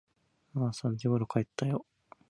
ああ、三時ころ帰ったよ。